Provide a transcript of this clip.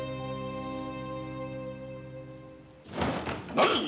何！